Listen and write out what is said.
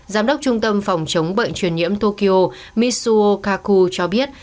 giám đốc trung tâm phòng chống bệnh truyền nhiễm tokyo mitsuo kaku cho biết